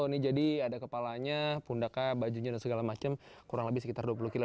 ini jadi ada kepalanya pundaknya bajunya dan segala macam kurang lebih sekitar dua puluh kilo